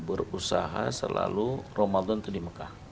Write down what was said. berusaha selalu ramadhan tuh di mekah